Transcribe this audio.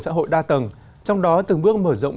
xã hội đa tầng trong đó từng bước mở rộng